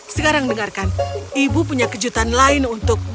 sekarang dengarkan ibu punya kejutan lain untuk